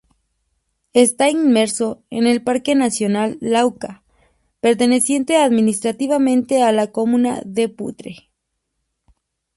Está inmerso en el Parque Nacional Lauca, perteneciente administrativamente a la comuna de Putre.